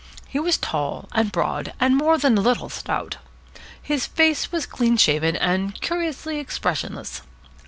He was tall and broad, and more than a little stout. His face was clean shaven and curiously expressionless.